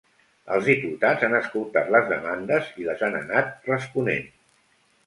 Els diputats han escoltat les demandes i les han anat responent.